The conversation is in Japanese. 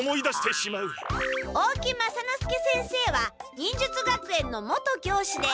大木雅之助先生は忍術学園の元教師で。